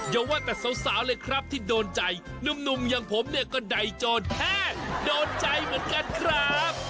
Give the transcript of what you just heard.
อย่าว่าแต่สาวเลยครับที่โดนใจหนุ่มอย่างผมเนี่ยก็ใดโจรแทบโดนใจเหมือนกันครับ